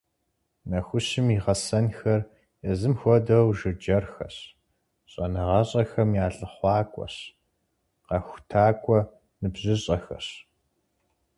Нэхущым и гъэсэнхэр езым хуэдэу жыджэрхэщ, щӀэныгъэщӀэхэм я лъыхъуакӀуэщ, къэхутакӀуэ ныбжьыщӀэхэщ.